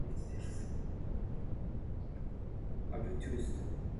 正手入，倒手出